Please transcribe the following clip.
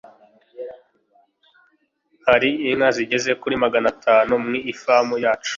hari inka zigera kuri magan’atanu mwi famu yacu